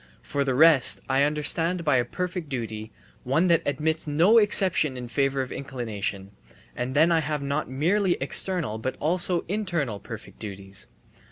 For the rest, I understand by a perfect duty one that admits no exception in favour of inclination and then I have not merely external but also internal perfect duties.